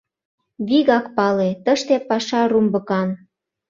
— Вигак пале: тыште паша румбыкан.